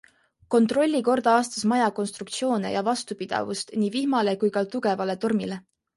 Kontrolli kord aastas maja konstruktsioone ja vastupidavust nii vihmale kui ka tugevale tormile.